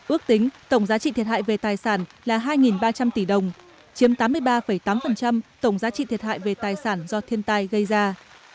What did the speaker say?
ước tính tổng giá trị thiệt hại về tài sản là hai ba trăm linh tỷ đồng chiếm tám mươi ba tám tổng giá trị thiệt hại về tài sản do thiên tai gây ra